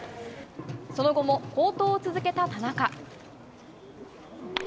その後も好投を続けた田中。